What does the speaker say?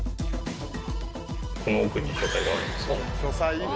この奥に書斎があるんです。